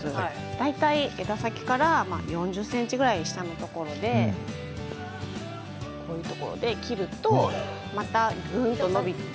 大体、枝先から４０ｃｍぐらい下のところで切るとまたぐんと伸びて。